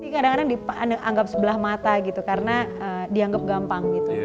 kadang kadang dianggap sebelah mata karena dianggap gampang